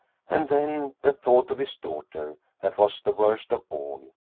And then the thought of his daughter, that was the worst of all.